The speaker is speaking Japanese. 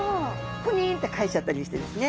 ぷにんって返しちゃったりしてですね。